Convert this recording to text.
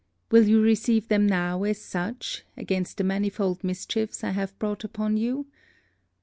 Will you receive them now as such, against the manifold mischiefs I have brought upon you?